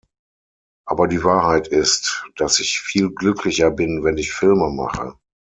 Aber die Wahrheit ist, dass ich viel glücklicher bin, wenn ich Filme mache.